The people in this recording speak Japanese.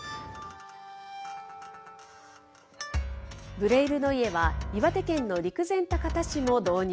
ブレイル・ノイエは、岩手県の陸前高田市も導入。